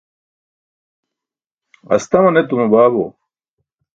astaman etuma baabo